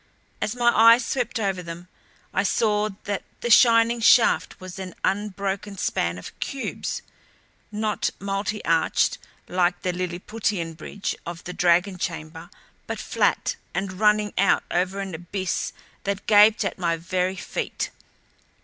As my eyes swept over them, I saw that the shining shaft was an unbroken span of cubes; not multi arched like the Lilliputian bridge of the dragon chamber, but flat and running out over an abyss that gaped at my very feet.